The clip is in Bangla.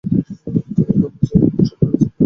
রমেশ পাংশুবর্ণমুখে স্তব্ধ হইয়া বসিয়া রহিল।